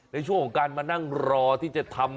ในช่วงของการมานั่งรอที่จะทำ